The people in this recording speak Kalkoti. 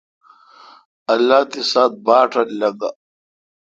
اللہ تی ساعت باٹ رل لنگہ۔